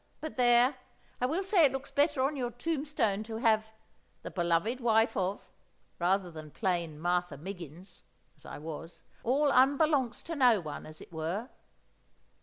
But there, I will say it looks better on your tombstone to have 'The beloved wife of,' rather than plain Martha Miggins (as I was), all unbelongst to no one, as it were."